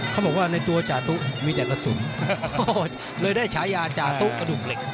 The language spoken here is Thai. เขาบอกว่าในตัวจาตู้มีแต่ละสุลโหหหเลยได้ชายาจาตู้อดูกเหล็ก